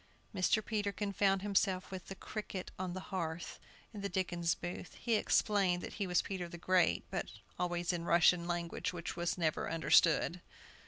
Mr. Peterkin found himself with the "Cricket on the Hearth," in the Dickens Booth. He explained that he was Peter the Great, but always in the Russian language, which was never understood.